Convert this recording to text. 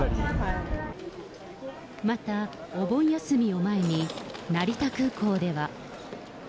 またお盆休みを前に、成田空港では。